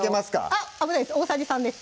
あっ危ないです大さじ３です